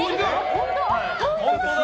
本当だ！